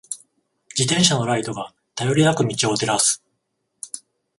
自転車のライトが、頼りなく道を照らす。